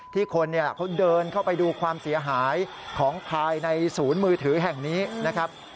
คนเขาเดินเข้าไปดูความเสียหายของภายในศูนย์มือถือแห่งนี้นะครับ